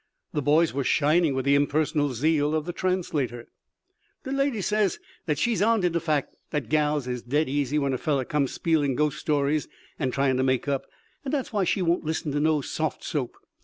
The boy's were shining with the impersonal zeal of the translator. "De lady says dat she's on to de fact dat gals is dead easy when a feller comes spielin' ghost stories and tryin' to make up, and dat's why she won't listen to no soft soap.